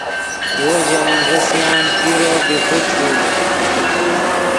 وو ژے من ریسیان پیرو بی خود ݰوئے